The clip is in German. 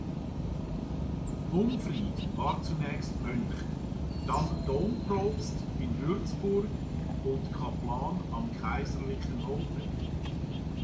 Humfried war zunächst Mönch, dann Dompropst in Würzburg und Kaplan am kaiserlichen Hofe.